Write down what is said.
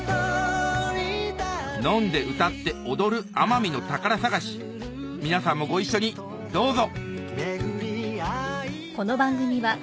飲んで歌って踊る奄美の宝探し皆さんもご一緒にどうぞ！